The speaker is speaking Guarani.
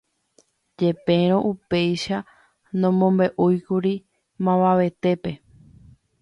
Jepérõ upéicha nomombe'úikuri mavavetépe.